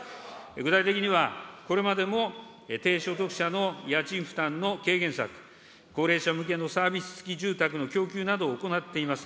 具体的には、これまでも低所得者の家賃負担の軽減策、高齢者向けのサービス付き住宅の供給などを行っています。